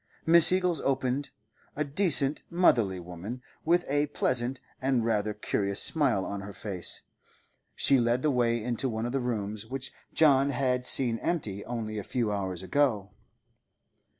Mrs. Eagles opened, a decent, motherly woman, with a pleasant and rather curious smile on her face. She led the way into one of the rooms which John had seen empty only a few hours ago.